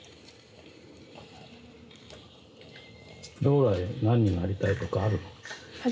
将来何になりたいとかあるの？